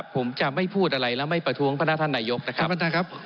ผมจะไม่พูดอะไรและไม่ประท้วงพระนัทธนายกนะครับ